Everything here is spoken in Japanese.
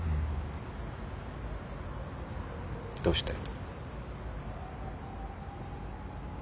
どうして？